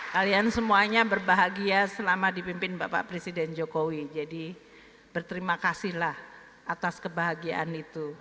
kalian semuanya berbahagia selama dipimpin bapak presiden jokowi jadi berterima kasihlah atas kebahagiaan itu